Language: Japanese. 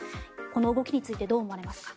この動きについてどう思われますか？